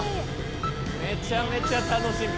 めちゃめちゃ楽しみ。